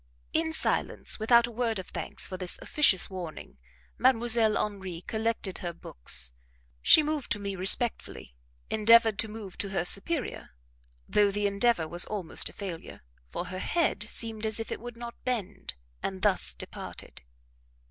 In silence, without a word of thanks for this officious warning, Mdlle. Henri collected her books; she moved to me respectfully, endeavoured to move to her superior, though the endeavour was almost a failure, for her head seemed as if it would not bend, and thus departed.